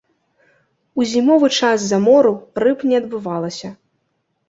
У зімовы час замору рыб не адбывалася.